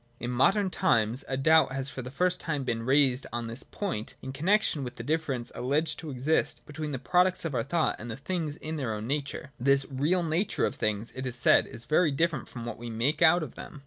In modern times a doubt has for the first time been raised on this point in connexion with the difference alleged to exist between the products of our thought and the things in their own nature. This real nature of things, it is said, is very different from what we make out of them.